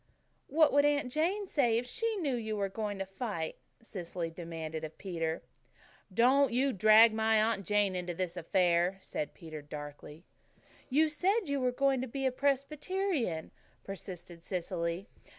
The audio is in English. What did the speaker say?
"What would Aunt Jane say if she knew you were going to fight?" Cecily demanded of Peter. "Don't you drag my Aunt Jane into this affair," said Peter darkly. "You said you were going to be a Presbyterian," persisted Cecily.